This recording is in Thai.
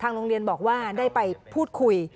โรงเรียนบอกว่าได้ไปพูดคุย